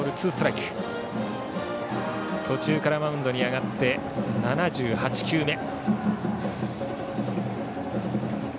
途中からマウンドに上がって７８球目。